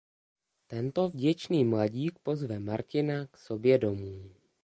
Tento vděčný mladík pozve Martina k sobě domů.